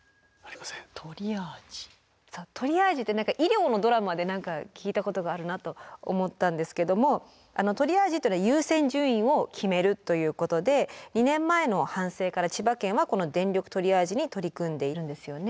そうトリアージって何か医療のドラマで何か聞いたことがあるなと思ったんですけどもトリアージっていうのは優先順位を決めるということで２年前の反省から千葉県はこの電力トリアージに取り組んでいるんですよね。